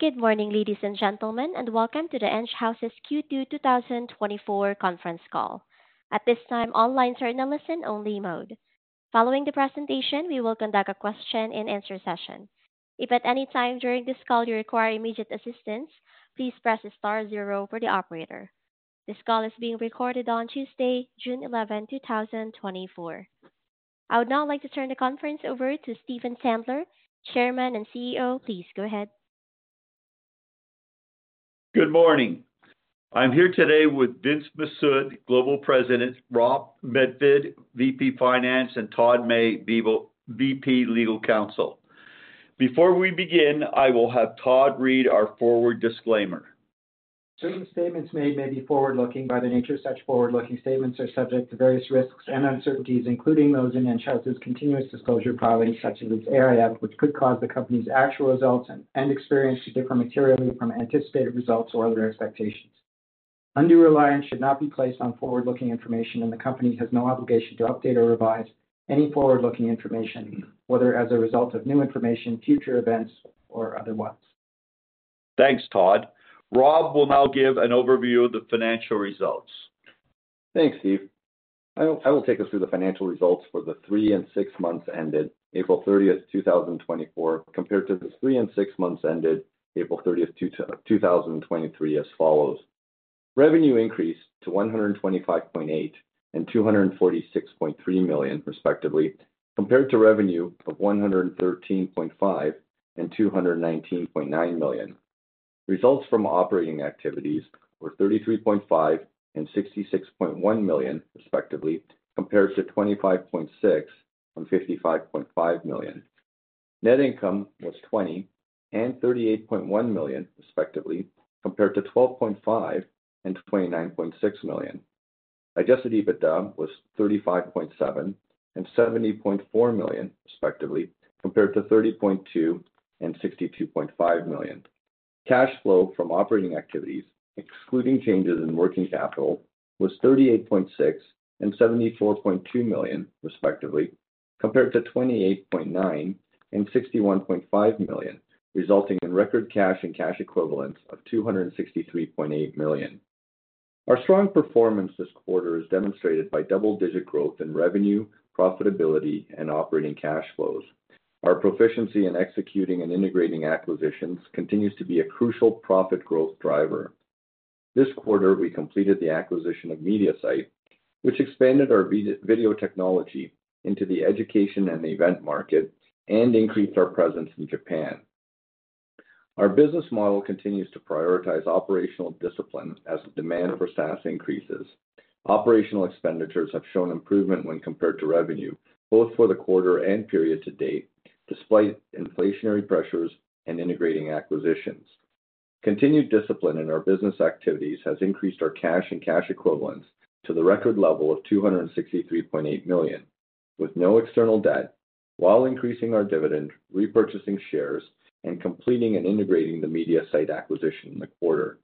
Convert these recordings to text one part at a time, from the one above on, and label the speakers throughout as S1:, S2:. S1: Good morning, ladies and gentlemen, and welcome to the Enghouse's Q2 2024 conference call. At this time, all lines are in a listen-only mode. Following the presentation, we will conduct a question-and-answer session. If at any time during this call you require immediate assistance, please press star zero for the operator. This call is being recorded on Tuesday, June 11th, 2024. I would now like to turn the conference over to Stephen Sadler, Chairman and CEO. Please go ahead.
S2: Good morning. I'm here today with Vince Mifsud, Global President, Rob Medved, VP Finance, and Todd May, VP Legal Counsel. Before we begin, I will have Todd read our forward disclaimer.
S3: Certain statements made may be forward-looking. By their nature, such forward-looking statements are subject to various risks and uncertainties, including those in Enghouse's continuous disclosure profile, such as its AIF, which could cause the company's actual results and experience to differ materially from anticipated results or other expectations. Undue reliance should not be placed on forward-looking information, and the company has no obligation to update or revise any forward-looking information, whether as a result of new information, future events, or otherwise.
S2: Thanks, Todd. Rob will now give an overview of the financial results.
S4: Thanks, Steve. I will take us through the financial results for the three and six months ended April 30th, 2024, compared to the three and six months ended April 30, 2023 as follows: Revenue increased to 125.8 million and 246.3 million, respectively, compared to revenue of 113.5 million and 219.9 million. Results from operating activities were 33.5 million and 66.1 million, respectively, compared to 25.6 million and 55.5 million. Net income was 20 million and 38.1 million, respectively, compared to 12.5 million and 29.6 million. Adjusted EBITDA was 35.7 million and 70.4 million, respectively, compared to 30.2 million and 62.5 million. Cash flow from operating activities, excluding changes in working capital, was 38.6 million and 74.2 million, respectively, compared to 28.9 million and 61.5 million, resulting in record cash and cash equivalents of 263.8 million. Our strong performance this quarter is demonstrated by double-digit growth in revenue, profitability, and operating cash flows. Our proficiency in executing and integrating acquisitions continues to be a crucial profit growth driver. This quarter, we completed the acquisition of Mediasite, which expanded our video technology into the education and event market and increased our presence in Japan. Our business model continues to prioritize operational discipline as demand for SaaS increases. Operational expenditures have shown improvement when compared to revenue, both for the quarter and period to date, despite inflationary pressures and integrating acquisitions. Continued discipline in our business activities has increased our cash and cash equivalents to the record level of 263.8 million, with no external debt, while increasing our dividend, repurchasing shares, and completing and integrating the Mediasite acquisition in the quarter.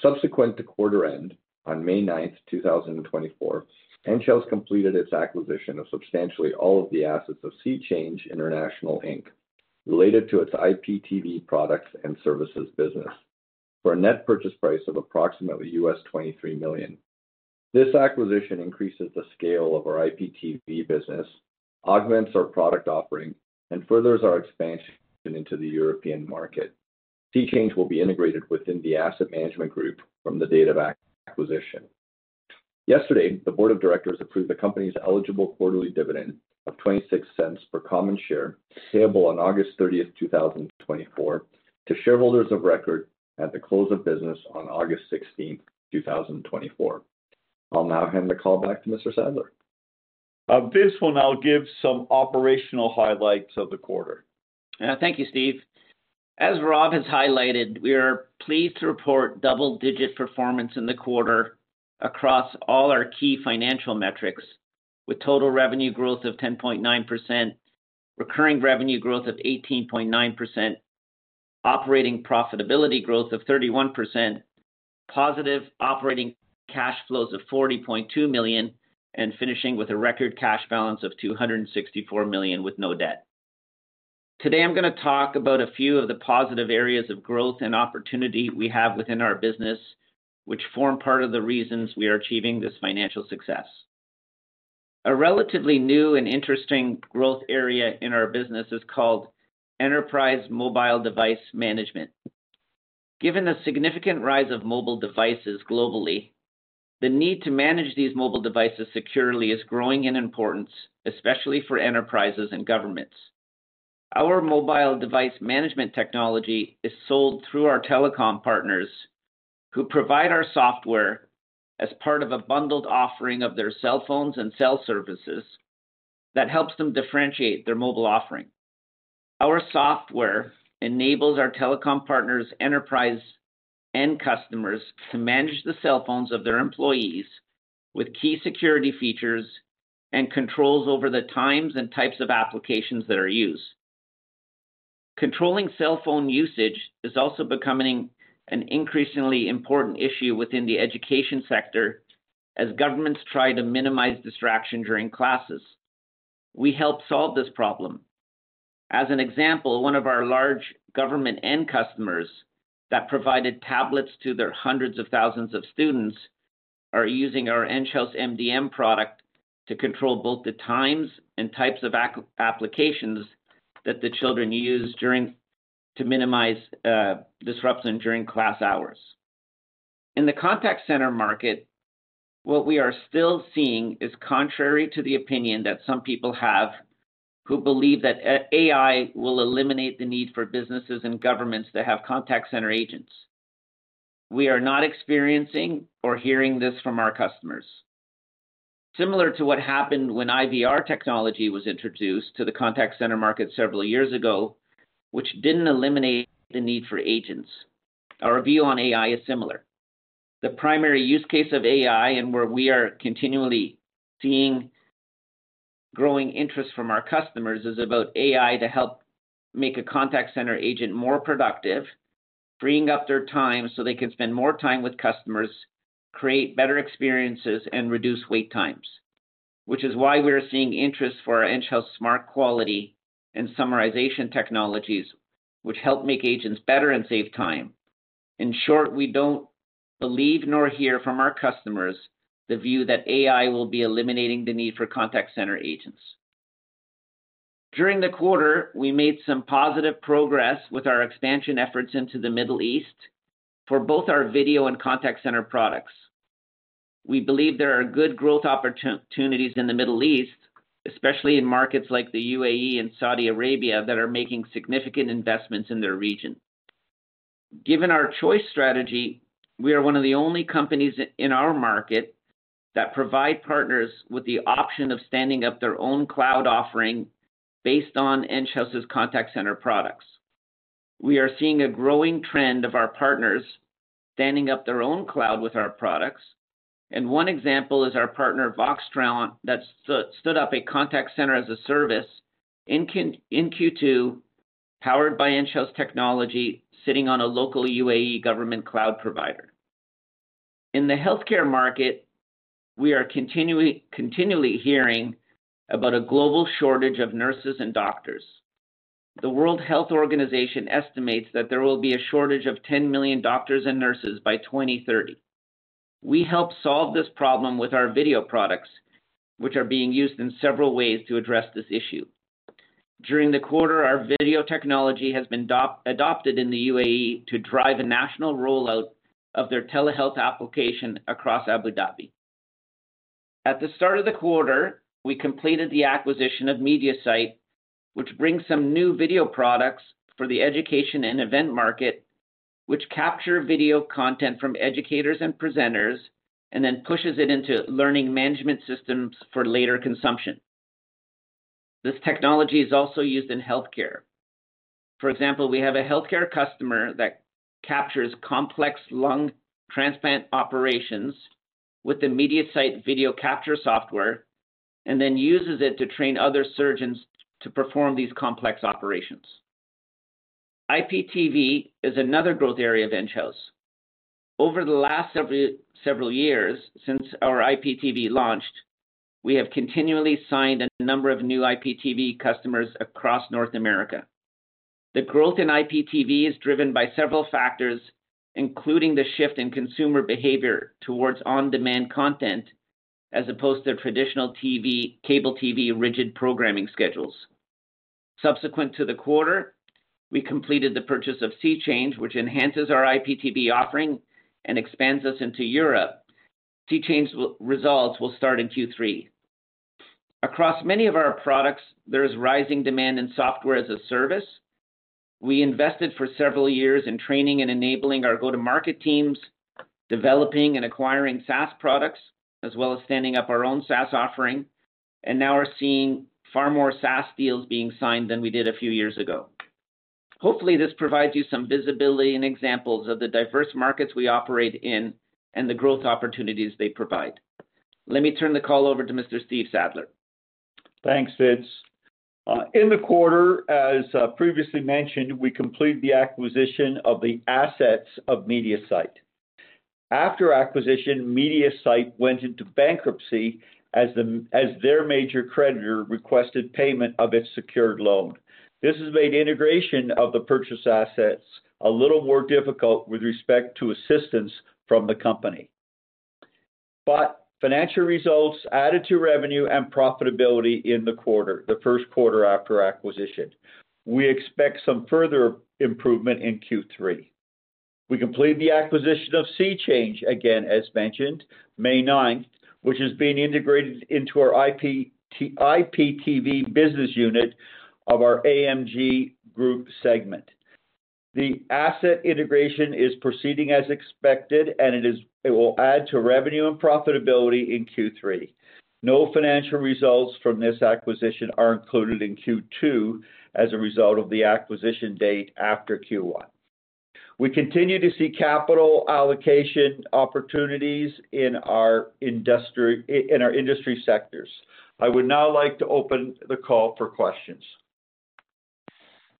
S4: Subsequent to quarter end, on May 9, 2024, Enghouse completed its acquisition of substantially all of the assets of SeaChange International Inc., related to its IPTV products and services business, for a net purchase price of approximately $23 million. This acquisition increases the scale of our IPTV business, augments our product offering, and furthers our expansion into the European market. SeaChange will be integrated within the Asset Management Group from the date of acquisition. Yesterday, the board of directors approved the company's eligible quarterly dividend of 0.26 per common share, payable on August 30th, 2024, to shareholders of record at the close of business on August 16th, 2024. I'll now hand the call back to Mr. Sadler.
S2: Vince will now give some operational highlights of the quarter.
S5: Thank you, Steve. As Rob has highlighted, we are pleased to report double-digit performance in the quarter across all our key financial metrics, with total revenue growth of 10.9%, recurring revenue growth of 18.9%, operating profitability growth of 31%, positive operating cash flows of 40.2 million, and finishing with a record cash balance of 264 million with no debt. Today, I'm gonna talk about a few of the positive areas of growth and opportunity we have within our business, which form part of the reasons we are achieving this financial success. A relatively new and interesting growth area in our business is called Enterprise Mobile Device Management. Given the significant rise of mobile devices globally, the need to manage these mobile devices securely is growing in importance, especially for enterprises and governments. Our mobile device management technology is sold through our telecom partners, who provide our software as part of a bundled offering of their cell phones and cell services that helps them differentiate their mobile offering. Our software enables our telecom partners' enterprise end customers to manage the cell phones of their employees with key security features and controls over the times and types of applications that are used. Controlling cell phone usage is also becoming an increasingly important issue within the education sector as governments try to minimize distraction during classes. We help solve this problem. As an example, one of our large government end customers that provided tablets to their hundreds of thousands of students are using our Enghouse MDM product to control both the times and types of applications that the children use during, to minimize, disruption during class hours. In the contact center market, what we are still seeing is contrary to the opinion that some people have, who believe that AI will eliminate the need for businesses and governments to have contact center agents. We are not experiencing or hearing this from our customers. Similar to what happened when IVR technology was introduced to the contact center market several years ago, which didn't eliminate the need for agents, our view on AI is similar. The primary use case of AI, and where we are continually seeing growing interest from our customers, is about AI to help make a contact center agent more productive, freeing up their time so they can spend more time with customers, create better experiences, and reduce wait times. Which is why we are seeing interest for our Enghouse Smart Quality and summarization technologies, which help make agents better and save time. In short, we don't believe, nor hear from our customers, the view that AI will be eliminating the need for contact center agents. During the quarter, we made some positive progress with our expansion efforts into the Middle East for both our video and contact center products. We believe there are good growth opportunities in the Middle East, especially in markets like the UAE and Saudi Arabia, that are making significant investments in their region. Given our choice strategy, we are one of the only companies in our market that provide partners with the option of standing up their own cloud offering based on Enghouse's contact center products. We are seeing a growing trend of our partners standing up their own cloud with our products, and one example is our partner, Voxtron, that stood up a contact center as a service in Q2, powered by Enghouse technology, sitting on a local UAE government cloud provider. In the healthcare market, we are continually hearing about a global shortage of nurses and doctors. The World Health Organization estimates that there will be a shortage of 10 million doctors and nurses by 2030. We help solve this problem with our video products, which are being used in several ways to address this issue. During the quarter, our video technology has been adopted in the UAE to drive a national rollout of their telehealth application across Abu Dhabi. At the start of the quarter, we completed the acquisition of Mediasite, which brings some new video products for the education and event market, which capture video content from educators and presenters, and then pushes it into learning management systems for later consumption. This technology is also used in healthcare. For example, we have a healthcare customer that captures complex lung transplant operations with the Mediasite video capture software, and then uses it to train other surgeons to perform these complex operations. IPTV is another growth area of Enghouse. Over the last several years, since our IPTV launched, we have continually signed a number of new IPTV customers across North America. The growth in IPTV is driven by several factors, including the shift in consumer behavior towards on-demand content, as opposed to traditional TV, cable TV, rigid programming schedules. Subsequent to the quarter, we completed the purchase of SeaChange, which enhances our IPTV offering and expands us into Europe. SeaChange's results will start in Q3. Across many of our products, there is rising demand in software as a service. We invested for several years in training and enabling our go-to-market Teams, developing and acquiring SaaS products, as well as standing up our own SaaS offering, and now we're seeing far more SaaS deals being signed than we did a few years ago. Hopefully, this provides you some visibility and examples of the diverse markets we operate in and the growth opportunities they provide. Let me turn the call over to Mr. Steve Sadler.
S2: Thanks, Vince. In the quarter, as previously mentioned, we completed the acquisition of the assets of Mediasite. After acquisition, Mediasite went into bankruptcy as their major creditor requested payment of its secured loan. This has made integration of the purchase assets a little more difficult with respect to assistance from the company. But financial results added to revenue and profitability in the quarter, the first quarter after acquisition. We expect some further improvement in Q3. We completed the acquisition of SeaChange, again, as mentioned, May ninth, which is being integrated into our IPTV business unit of our AMG group segment. The asset integration is proceeding as expected, and it will add to revenue and profitability in Q3. No financial results from this acquisition are included in Q2 as a result of the acquisition date after Q1. We continue to see capital allocation opportunities in our industry sectors. I would now like to open the call for questions.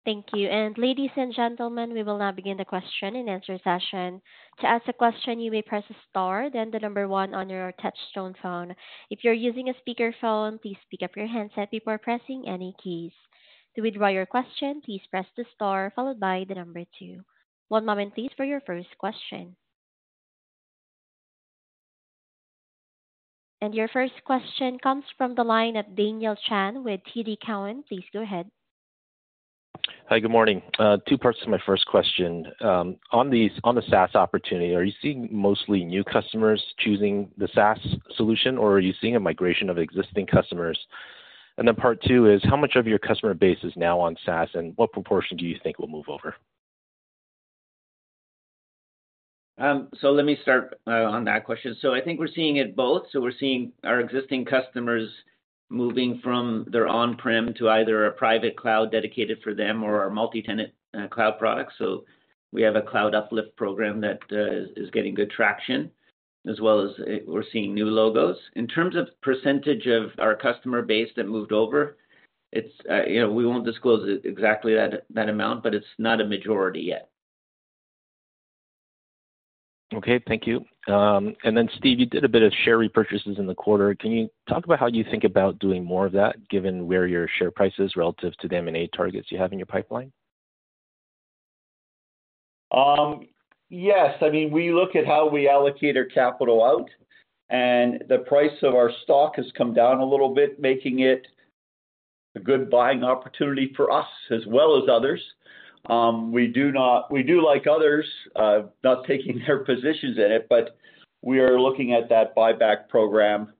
S1: Thank you. Ladies and gentlemen, we will now begin the question and answer session. To ask a question, you may press star, then the number one on your touchtone phone. If you're using a speakerphone, please pick up your handset before pressing any keys. To withdraw your question, please press the star followed by the number two. One moment please, for your first question. Your first question comes from the line of Daniel Chan with TD Cowen. Please go ahead.
S6: Hi, good morning. Two parts to my first question. On the SaaS opportunity, are you seeing mostly new customers choosing the SaaS solution, or are you seeing a migration of existing customers? And then part two is, how much of your customer base is now on SaaS, and what proportion do you think will move over?
S5: So let me start on that question. So I think we're seeing it both. So we're seeing our existing customers moving from their on-prem to either a private cloud dedicated for them or our multi-tenant cloud products. So we have a cloud uplift program that is getting good traction, as well as we're seeing new logos. In terms of percentage of our customer base that moved over, it's you know, we won't disclose exactly that amount, but it's not a majority yet.
S6: Okay, thank you. And then, Steve, you did a bit of share repurchases in the quarter. Can you talk about how you think about doing more of that, given where your share price is relative to the M&A targets you have in your pipeline?
S2: Yes. I mean, we look at how we allocate our capital out, and the price of our stock has come down a little bit, making it a good buying opportunity for us as well as others. We do, like others, not taking their positions in it, but we are looking at that buyback program,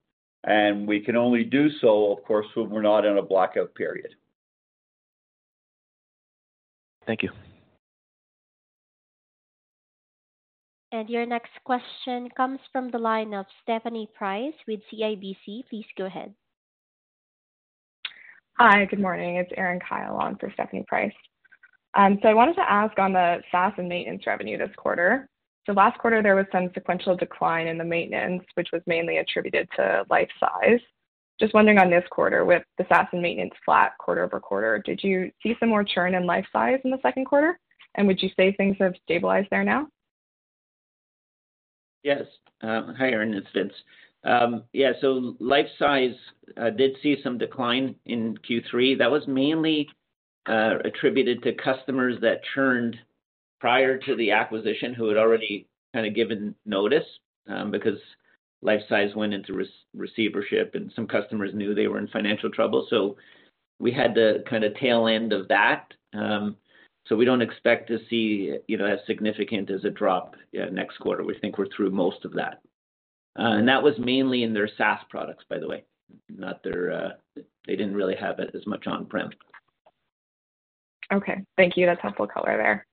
S2: and we can only do so, of course, when we're not in a blackout period.
S6: Thank you.
S1: Your next question comes from the line of Stephanie Price with CIBC. Please go ahead.
S7: Hi, good morning. It's Erin Kyle on for Stephanie Price. So I wanted to ask on the SaaS and maintenance revenue this quarter. So last quarter, there was some sequential decline in the maintenance, which was mainly attributed to Lifesize. Just wondering on this quarter, with the SaaS and maintenance flat quarter-over-quarter, did you see some more churn in Lifesize in the second quarter? And would you say things have stabilized there now?
S5: Yes. Hi, Erin, it's Vince. Yeah, so Lifesize did see some decline in Q3. That was mainly attributed to customers that churned prior to the acquisition, who had already kind of given notice, because Lifesize went into receivership, and some customers knew they were in financial trouble. So we had the kind of tail end of that. So we don't expect to see, you know, as significant as a drop next quarter. We think we're through most of that. And that was mainly in their SaaS products, by the way, not their. They didn't really have as much on-prem.
S7: Okay. Thank you. That's helpful color there.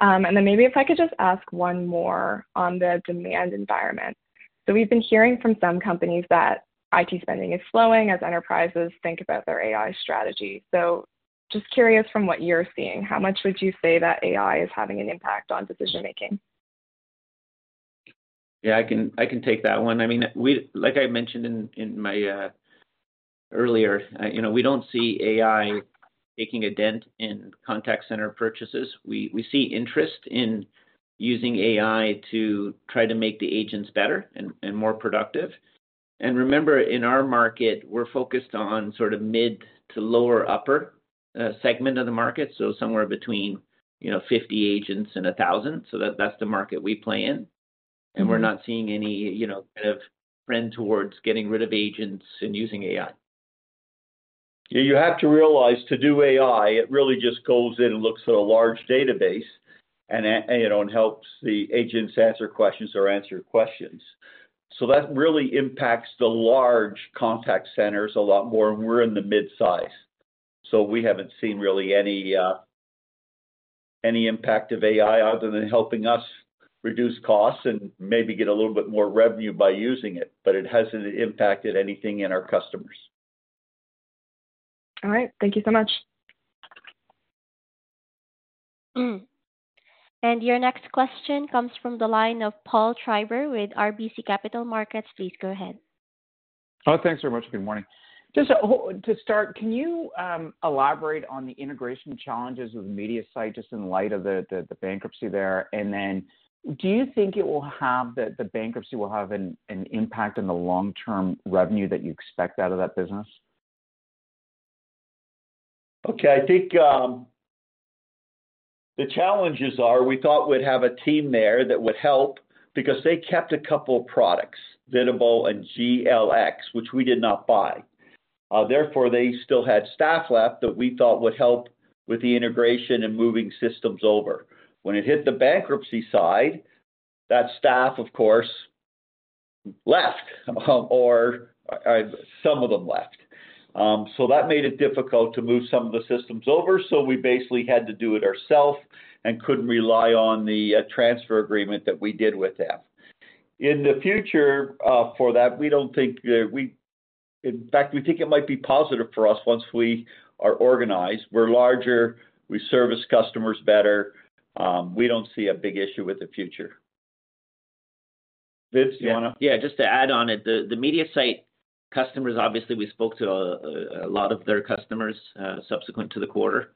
S7: And then maybe if I could just ask one more on the demand environment. So we've been hearing from some companies that IT spending is slowing as enterprises think about their AI strategy. So just curious from what you're seeing, how much would you say that AI is having an impact on decision-making?
S5: Yeah, I can, I can take that one. I mean, we like I mentioned in, in my earlier, you know, we don't see AI making a dent in contact center purchases. We, we see interest in using AI to try to make the agents better and, and more productive. And remember, in our market, we're focused on sort of mid to lower upper segment of the market, so somewhere between, you know, 50 agents and 1,000 agents. So that that's the market we play in, and we're not seeing any, you know, kind of trend towards getting rid of agents and using AI.
S2: Yeah, you have to realize, to do AI, it really just goes in and looks at a large database, and, you know, it helps the agents answer questions or answer questions. So that really impacts the large contact centers a lot more, and we're in the mid-size. So we haven't seen really any impact of AI other than helping us reduce costs and maybe get a little bit more revenue by using it, but it hasn't impacted anything in our customers.
S7: All right. Thank you so much.
S1: Your next question comes from the line of Paul Treiber with RBC Capital Markets. Please go ahead.
S8: Oh, thanks very much. Good morning. Just to start, can you elaborate on the integration challenges with Mediasite, just in light of the bankruptcy there? And then, do you think the bankruptcy will have an impact on the long-term revenue that you expect out of that business?
S2: Okay. I think, the challenges are, we thought we'd have a team there that would help because they kept a couple of products, Vidable and GLX, which we did not buy. Therefore, they still had staff left that we thought would help with the integration and moving systems over. When it hit the bankruptcy side, that staff, of course, left, or, some of them left. So that made it difficult to move some of the systems over, so we basically had to do it ourselves and couldn't rely on the, transfer agreement that we did with them. In the future, for that, we don't think that we in fact, we think it might be positive for us once we are organized. We're larger. We service customers better. We don't see a big issue with the future. Vince, you wanna?
S5: Yeah, just to add on it, the Mediasite customers, obviously, we spoke to a lot of their customers subsequent to the quarter,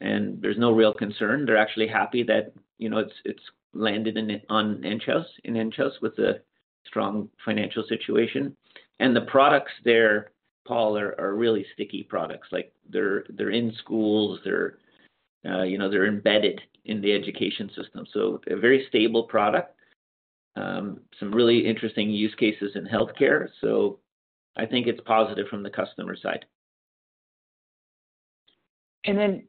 S5: and there's no real concern. They're actually happy that, you know, it's landed on Enghouse, on Enghouse with a strong financial situation. And the products there, Paul, are really sticky products. Like, they're in schools, they're, you know, they're embedded in the education system. So a very stable product. Some really interesting use cases in healthcare, so I think it's positive from the customer side.
S8: And then,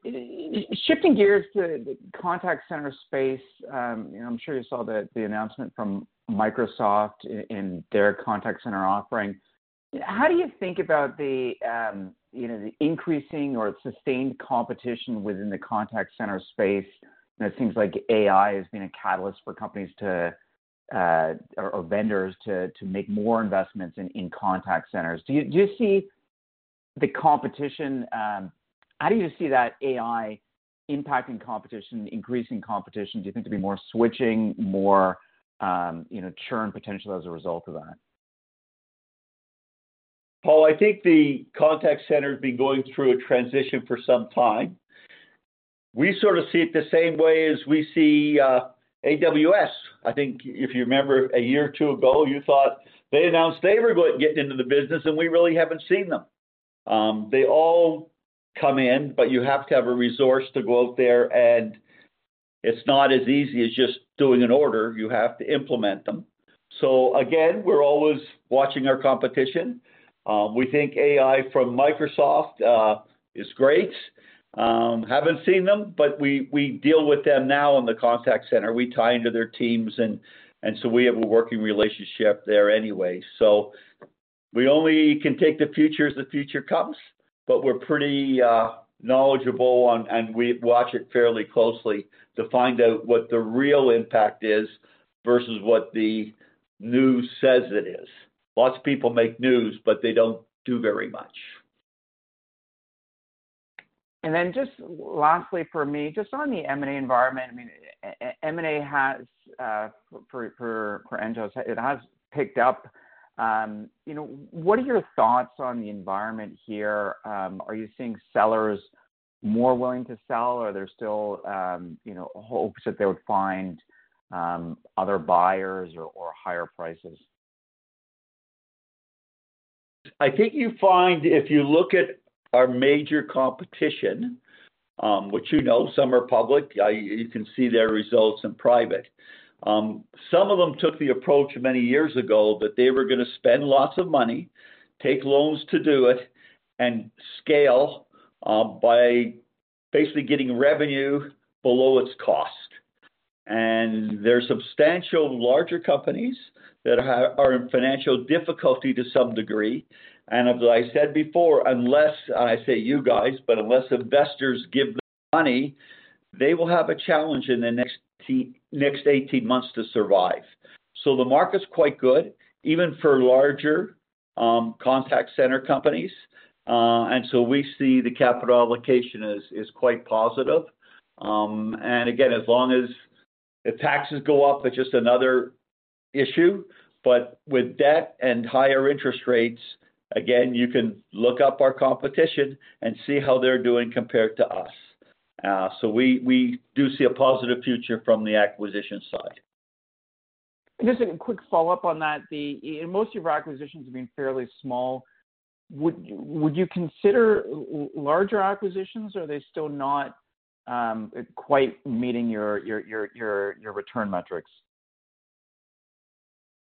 S8: shifting gears to the contact center space, you know, I'm sure you saw the, the announcement from Microsoft in their contact center offering. How do you think about the, you know, the increasing or sustained competition within the contact center space? And it seems like AI has been a catalyst for companies to, or vendors to make more investments in contact centers. Do you see the competition? How do you see that AI impacting competition, increasing competition? Do you think there'll be more switching, more, you know, churn potential as a result of that?
S2: Paul, I think the contact center has been going through a transition for some time. We sort of see it the same way as we see AWS. I think if you remember, a year or two ago, you thought they announced they were going to get into the business, and we really haven't seen them. They all come in, but you have to have a resource to go out there, and it's not as easy as just doing an order. You have to implement them. So again, we're always watching our competition. We think AI from Microsoft is great. Haven't seen them, but we deal with them now in the contact center. We tie into their teams and so we have a working relationship there anyway. So we only can take the future as the future comes, but we're pretty knowledgeable on, and we watch it fairly closely to find out what the real impact is versus what the news says it is. Lots of people make news, but they don't do very much.
S8: Just lastly for me, just on the M&A environment, I mean, M&A has for Enghouse, it has picked up. You know, what are your thoughts on the environment here? Are you seeing sellers more willing to sell, or are there still, you know, hopes that they would find other buyers or higher prices?
S2: I think you find, if you look at our major competition, which you know, some are public, you can see their results in private. Some of them took the approach many years ago that they were gonna spend lots of money, take loans to do it, and scale, by basically getting revenue below its cost. And there are substantial larger companies that are in financial difficulty to some degree, and as I said before, unless, I say, you guys, but unless investors give them money, they will have a challenge in the next eighteen months to survive. So the market's quite good, even for larger, contact center companies. And so we see the capital allocation as, is quite positive. And again, as long as the taxes go up, that's just another issue. But with debt and higher interest rates, again, you can look up our competition and see how they're doing compared to us. So we, we do see a positive future from the acquisition side.
S8: Just a quick follow-up on that, the most of your acquisitions have been fairly small. Would you consider larger acquisitions, or are they still not quite meeting your return metrics?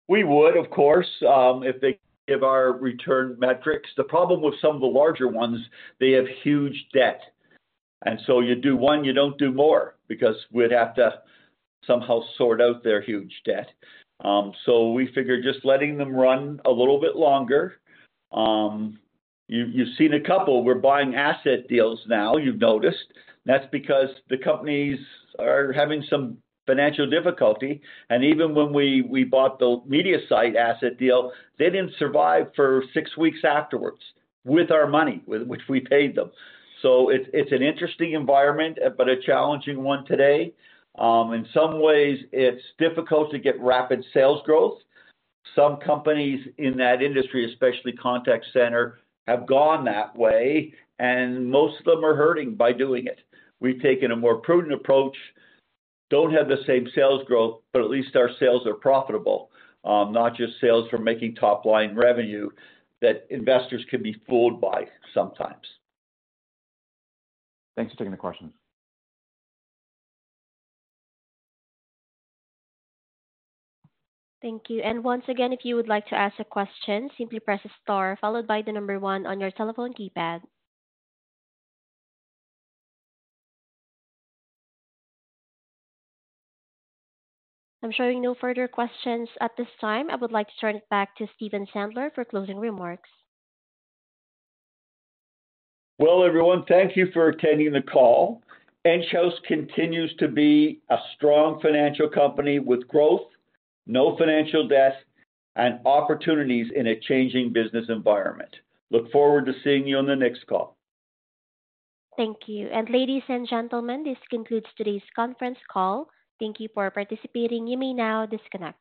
S2: We would, of course, if they give our return metrics. The problem with some of the larger ones, they have huge debt. And so you do one, you don't do more, because we'd have to somehow sort out their huge debt. So we figured just letting them run a little bit longer. You, you've seen a couple, we're buying asset deals now, you've noticed. That's because the companies are having some financial difficulty, and even when we, we bought the Mediasite asset deal, they didn't survive for six weeks afterwards, with our money, with which we paid them. So it's an interesting environment, but a challenging one today. In some ways, it's difficult to get rapid sales growth. Some companies in that industry, especially contact center, have gone that way, and most of them are hurting by doing it. We've taken a more prudent approach. Don't have the same sales growth, but at least our sales are profitable, not just sales from making top-line revenue that investors can be fooled by sometimes.
S8: Thanks for taking the question.
S1: Thank you. Once again, if you would like to ask a question, simply press star, followed by the number one on your telephone keypad. I'm showing no further questions at this time. I would like to turn it back to Stephen Sadler for closing remarks.
S2: Well, everyone, thank you for attending the call. Enghouse continues to be a strong financial company with growth, no financial debt, and opportunities in a changing business environment. Look forward to seeing you on the next call.
S1: Thank you. Ladies and gentlemen, this concludes today's conference call. Thank you for participating. You may now disconnect.